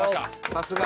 さすが！